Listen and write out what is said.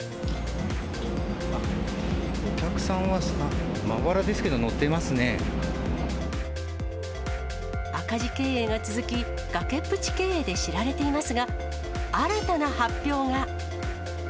お客さんはまばらですけど、赤字経営が続き、崖っぷち経営で知られていますが、新たな発表が。